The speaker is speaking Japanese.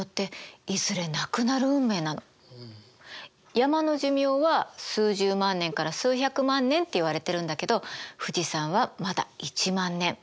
山の寿命は数十万年から数百万年っていわれてるんだけど富士山はまだ１万年。